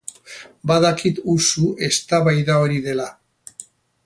Badakit usu eztabaida hori dela.